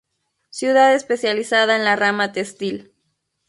Ciudad especializada en la rama textil.